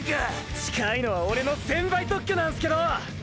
「近い」のはオレの専売特許なんすけどォ！！